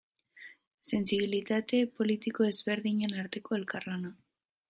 Sentsibilitate politiko ezberdinen arteko elkarlana.